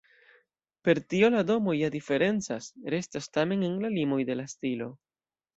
Per tio la domoj ja diferencas, restas tamen en la limoj de la stilo.